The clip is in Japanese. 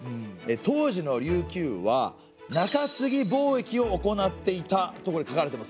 当時の琉球は中継貿易を行っていたとこれ書かれてますね。